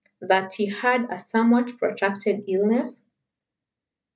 "that he had a somewhat protracted illness?"